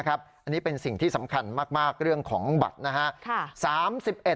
อันนี้เป็นสิ่งที่สำคัญมากเรื่องของบัตรนะครับ